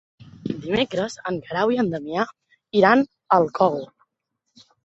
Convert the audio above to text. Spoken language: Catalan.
Dimecres en Guerau i en Damià iran al Cogul.